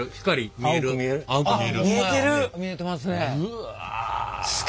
見えてますね。